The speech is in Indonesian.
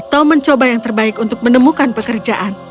tom mencoba yang terbaik untuk menemukan pekerjaan